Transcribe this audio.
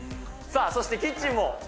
そしてキッチンも。